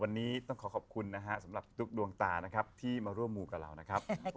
วันนี้ต้องขอขอบคุณนะฮะสำหรับทุกดวงตานะครับที่มาร่วมมูกับเรานะครับ